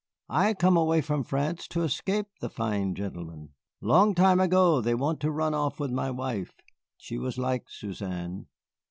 I come away from France to escape the fine gentlemen; long time ago they want to run off with my wife. She was like Suzanne."